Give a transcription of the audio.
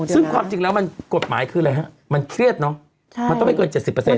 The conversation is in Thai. ซึ่งความจริงแล้วมันกฎหมายคืออะไรฮะมันเครียดเนอะมันต้องไม่เกิน๗๐